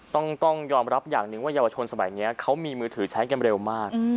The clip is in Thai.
ต้องยอมรับอย่างหนึ่งว่าเยาวชนสมัยนี้เขามีมือถือใช้กันเร็วมาก